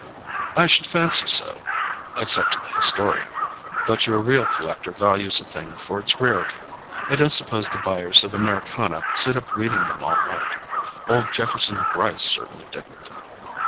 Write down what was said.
"I should fancy so—except to the historian. But your real collector values a thing for its rarity. I don't suppose the buyers of Americana sit up reading them all night—old Jefferson Gryce certainly didn't."